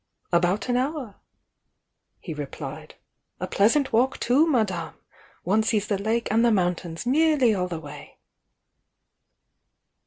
"About an hour," he replied. "A pleasant walk, too, Madame! One sees the lake and mountains nearly all the way."